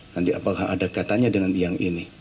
nanti apakah ada kaitannya dengan yang ini